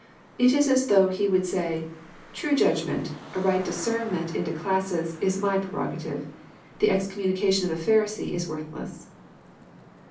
It is as though He would say, *' True judgment, a right discrimination into classes, is My prerogative. The excommunication of a Pharisee is worthless."